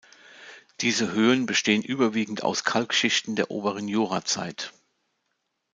Diese Höhen bestehen überwiegend aus Kalkschichten der oberen Jurazeit.